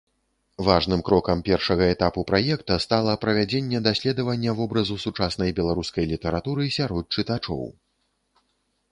Важным крокам першага этапу праекта стала правядзенне даследавання вобразу сучаснай беларускай літаратуры сярод чытачоў.